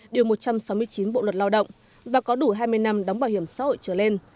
điều một trăm sáu mươi chín bộ luật lao động và có đủ hai mươi năm đóng bảo hiểm xã hội trở lên